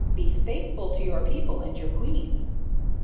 Be faithful to your people and your queen."